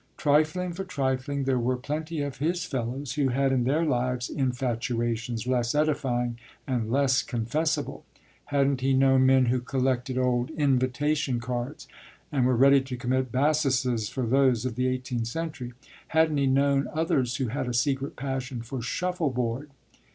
Trifling for trifling, there were plenty of his fellows who had in their lives infatuations less edifying and less confessable. Hadn't he known men who collected old invitation cards and were ready to commit bassesses for those of the eighteenth century? hadn't he known others who had a secret passion for shuffleboard?